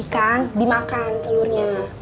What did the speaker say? ikan dimakan telurnya